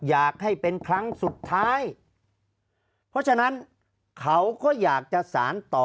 อยากให้เป็นครั้งสุดท้ายเพราะฉะนั้นเขาก็อยากจะสารต่อ